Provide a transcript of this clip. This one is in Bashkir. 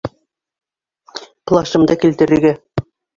Плащымды килтерергә.